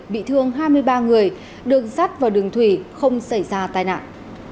bị thương hai mươi ba người được dắt vào đường thủy không xảy ra tai nạn